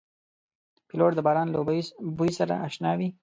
پیلوټ د باران له بوی سره اشنا وي.